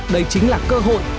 đây chính là cơ hội